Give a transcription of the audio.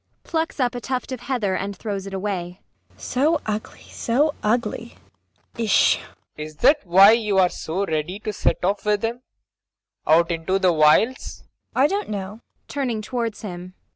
[Plucks up a tuft of heather and throws it away.] So ugly, so ugly! Isch! PROFESSOR RUBEK. Is that why you are so ready to set off with him out into the wilds? MAIA. [Curtly.] I don't know. [Turning towards him.